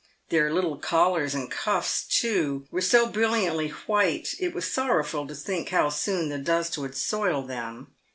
Their little collars and cuffs, too, were so brilliantly white it was sorrowful to think how soon the dust would soil them.